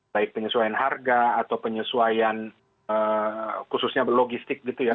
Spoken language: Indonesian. baik penyesuaian harga atau penyesuaian khususnya logistik gitu ya